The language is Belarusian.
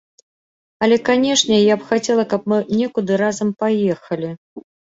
Але, канешне, я б хацела, каб мы некуды разам паехалі.